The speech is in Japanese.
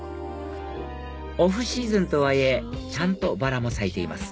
オフシーズンとはいえちゃんとバラも咲いています